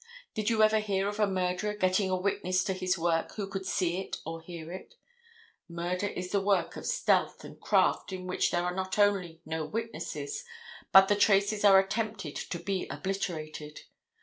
Did you ever hear of a murderer getting a witness to his work who could see it or hear it? Murder is the work of stealth and craft in which there are not only no witnesses, but the traces are attempted to be obliterated.